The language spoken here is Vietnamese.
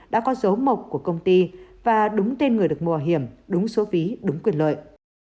đã có dấu mộc của công ty và đúng tên người được bảo hiểm đúng số phí đúng quyền lợi